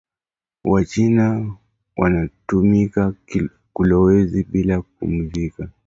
Wa china wanatumika kolwezi bila kupumuzika